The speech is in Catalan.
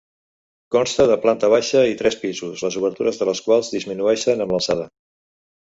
Consta de planta baixa i tres pisos, les obertures dels quals disminueixen amb l'alçada.